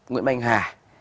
nguyễn anh hà